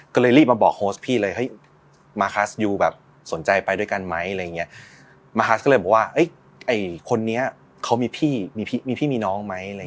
ก็เลยรีบมาบอกโฮสต์พี่เลยมาคัสอยู่สนใจไปด้วยกันไหมมาคัสก็เลยบอกว่าไอ้คนนี้เขามีพี่มีน้องไหม